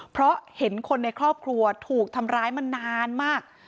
เพราะเห็นคนในครอบครัวถูกทำร้ายมานานมาก